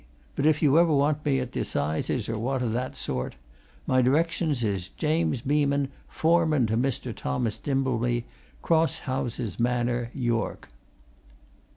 But if you ever want me, at t' 'Sizes, or wot o' that sort, my directions is James Beeman, foreman to Mr. Thomas Dimbleby, Cross houses Manor, York."